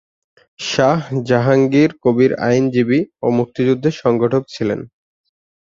শাহ জাহাঙ্গীর কবীর আইনজীবী ও মুক্তিযুদ্ধের সংগঠক ছিলেন।